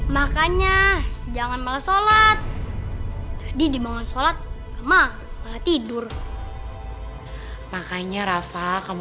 makanya jangan malah sholat tadi dibangun sholat malah tidur makanya rafa kamu